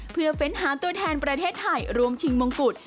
เพื่อเฟ้นหาตัวแทนประเทศไทยรวมชิงมงกุฎ